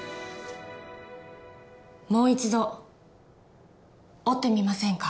もう一度折ってみませんか？